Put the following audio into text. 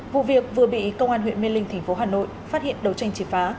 vụ việc vừa bị công an huyện miên linh tp hà nội phát hiện đấu tranh chỉ phá